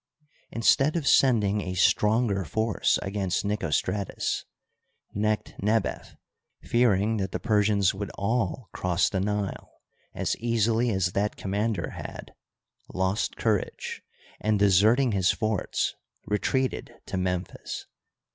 Instead of send ing a stronger force against Nicostratus, Necht nebef, fearing that the Persians would all cross the Nile as easily as that commander had, lost courage, and, deserting his forts, retreated to Memphis.